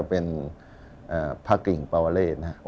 ก็เป็นพระกิงปวเลสนะครับ